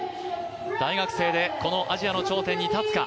大学生でこのアジアの頂点に立つか。